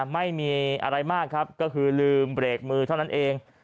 ไม่มีอะไรมากครับก็คือลืมเบรกมือเท่านั้นเอง